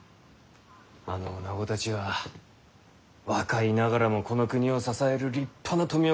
あのおなごたちは若いながらもこの国を支える立派な富岡工女だい。